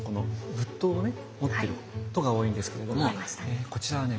仏塔をね持っていることが多いんですけれどもこちらはね